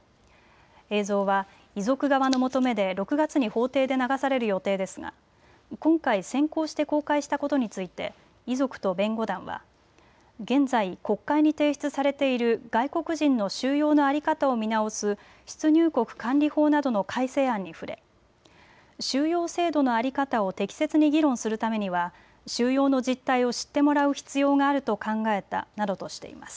映像は遺族側の求めで６月に法廷で流される予定ですが今回、先行して公開したことについて遺族と弁護団は現在、国会に提出されている外国人の収容の在り方を見直す出入国管理法などの改正案に触れ収容制度の在り方を適切に議論するためには収容の実態を知ってもらう必要があると考えたなどとしています。